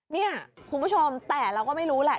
นี่คุณผู้ชมแต่เราก็ไม่รู้แหละ